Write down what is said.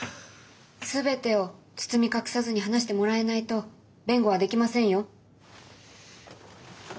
全てを包み隠さずに話してもらえないと弁護はできませんよ。